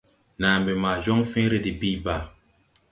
Nàa mbɛ ma jɔŋ fẽẽre de bìi bàa.